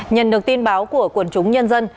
nhận được tin báo của quần chúng nhân dân